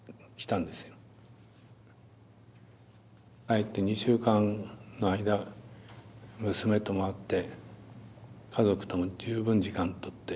帰って２週間の間娘とも会って家族とも十分時間とって。